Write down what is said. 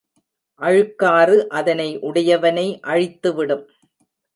அழுக்காறு அதனை உடையவனை அழித்துவிடும்.